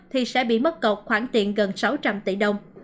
thì sẽ bị mất cột khoảng tiện gần sáu trăm linh tỷ đồng